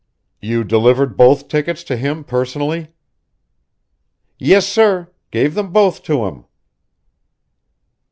"You delivered both tickets to him personally?" "Yes, sir gave them both to him."